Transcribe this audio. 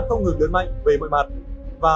không ngừng lớn mạnh về mọi mặt và